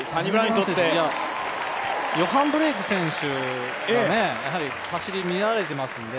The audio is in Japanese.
ヨハン・ブレイク選手が走り見られていますので。